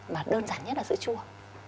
mà đơn giản nhất là sữa chua